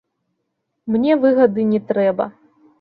Мне выгады не трэба.